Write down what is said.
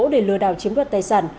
để lừa đảo chiếm đoạt tài sản